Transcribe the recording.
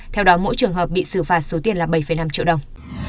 theo đó mỗi trường hợp bị xử phạt số tiền là bảy năm triệu đồng